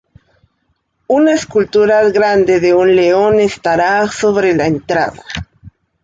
Una escultura grande de un león estará sobre la entrada.